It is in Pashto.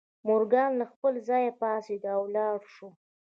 مورګان له خپل ځایه پاڅېد او ولاړ شو